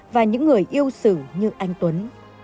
và những người yêu sử như anh tuấn